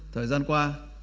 thời gian qua